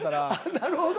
なるほど。